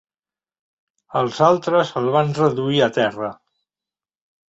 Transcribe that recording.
Els altres el van reduir a terra.